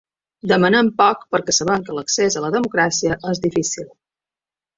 Demanem poc perquè sabem que l’accés a la democràcia és difícil.